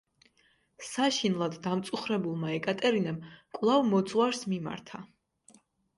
საშინლად დამწუხრებულმა ეკატერინემ კვლავ მოძღვარს მიმართა.